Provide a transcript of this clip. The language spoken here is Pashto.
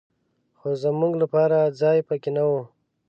خو زمونږ لپاره ځای په کې نه و.